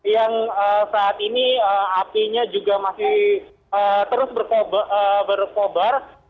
yang saat ini apinya juga masih terus berkobar